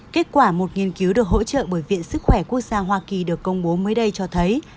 kết quả một nghiên cứu được hỗ trợ bởi viện sức khỏe quốc gia hoa kỳ được công bố mới đây cho thấy